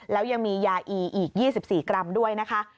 แล้วยังมียาอีอีก๒๔กรัมด้วยนะคะ